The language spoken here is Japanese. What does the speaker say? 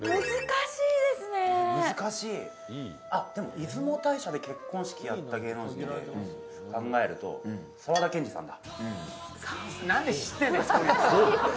出雲大社で結婚式やった芸能人って考えると沢田研二さんだ。